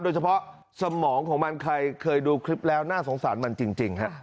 สมองของมันใครเคยดูคลิปแล้วน่าสงสารมันจริงฮะ